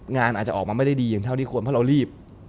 งานอาจจะออกมาไม่ได้ดีอย่างเท่าที่ควรเพราะเรารีบ